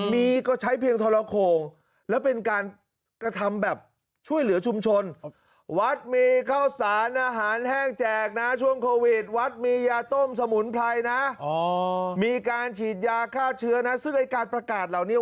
มีการฉีดยาฆ่าเชื้อนะซึ่งรายการประกาศเหล่านี้